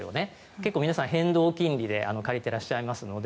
結構皆さん変動金利で借りてらっしゃいますので。